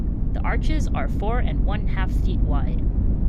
The arches are four and one-half feet wide.